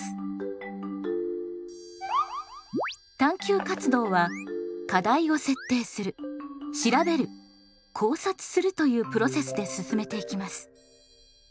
探究活動は課題を設定する調べる考察するというプロセスで進めていきます。